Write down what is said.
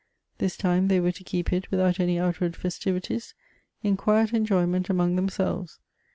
This time they were to keep it without any outward festivities, in quiet enjoyment among themselves.